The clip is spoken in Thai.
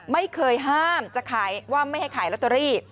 ไม่เคยห้ามจะขายว่าไม่ให้ขายลอตเตอรี่